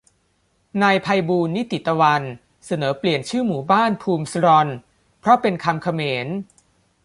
นายไพบูลย์ นิติตะวัน เสนอเปลี่ยนชื่อหมู่บ้าน "ภูมิซรอล" เพราะเป็นคำเขมร